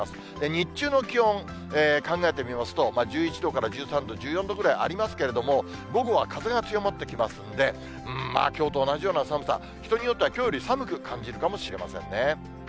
日中の気温、考えてみますと、１１度から１３度、１４度ぐらいありますけれども、午後は風が強まってきますんで、きょうと同じような寒さ、人によっては、きょうより寒く感じるかもしれませんね。